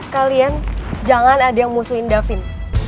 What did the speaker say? kalian jangan ada yang musuhin davin